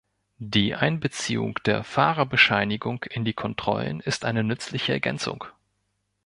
Die Einbeziehung der Fahrerbescheinigung in die Kontrollen ist eine nützliche Ergänzung.